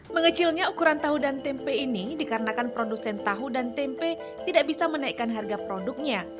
mengecilnya ukuran tahu dan tempe ini dikarenakan produsen tahu dan tempe tidak bisa menaikkan harga produknya